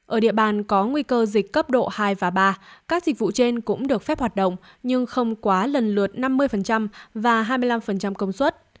ở địa bàn có nguy cơ dịch cấp độ hai và ba các dịch vụ trên cũng được phép hoạt động nhưng không quá lần lượt năm mươi và hai mươi năm công suất